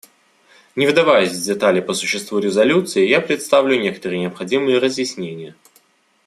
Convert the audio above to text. Не вдаваясь в детали по существу резолюции, я представлю некоторые необходимые разъяснения.